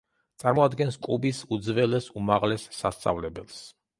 წარმოადგენს კუბის უძველეს უმაღლეს სასწავლებელს.